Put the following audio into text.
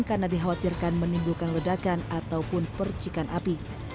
karena dikhawatirkan menimbulkan ledakan ataupun percikan api